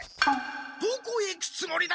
どこへ行くつもりだ？